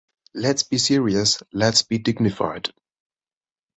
Let’s be serious, let’s be dignified.